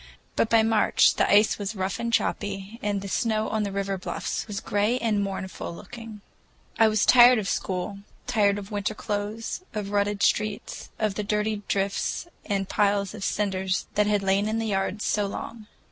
But by March the ice was rough and choppy, and the snow on the river bluffs was gray and mournful looking. I was tired of school, tired of winter clothes, of the rutted streets, of the dirty drifts and the piles of cinders that had lain in the yards so long.